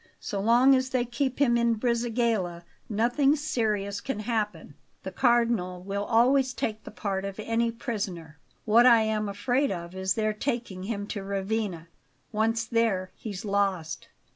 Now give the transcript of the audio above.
So long as they keep him in Brisighella nothing serious can happen; the Cardinal will always take the part of any prisoner. What I am afraid of is their taking him to Ravenna. Once there, he's lost."